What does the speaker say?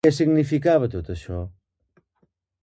Què significava tot això?